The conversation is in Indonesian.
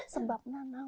sebab itu mak